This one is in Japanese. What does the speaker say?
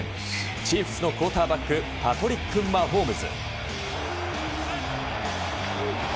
チーフスのクオーターバックパトリック・マホームズ。